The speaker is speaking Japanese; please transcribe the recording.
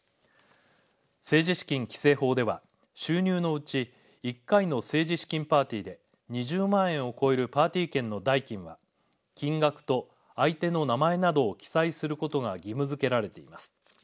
政治資金規正法では収入のうち１回の政治資金パーティーで２０万円を超えるパーティー券の代金は金額と相手の名前などを記載することが義務づけられています。